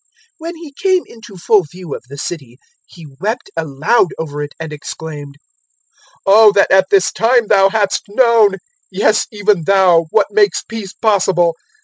019:041 When He came into full view of the city, He wept aloud over it, and exclaimed, 019:042 "O that at this time thou hadst known yes even thou what makes peace possible!